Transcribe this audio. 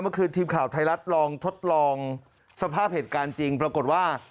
ทีมข่าวไทยรัฐลองทดลองสภาพเหตุการณ์จริงปรากฏว่า